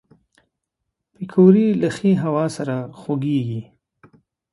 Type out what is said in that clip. پکورې له ښې هوا سره خوږېږي